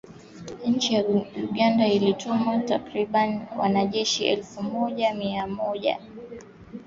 Nchi ya Uganda ilituma takribani wanajeshi elfu moja mia saba kwa jirani yake wa Afrika ya kati hapo mwezi Disemba.